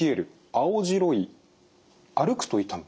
・青白い・歩くと痛む。